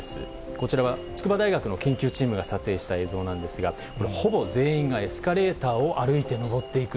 こちらは筑波大学の研究チームが撮影した映像なんですが、これ、ほぼ全員がエスカレーターを歩いて上っていく。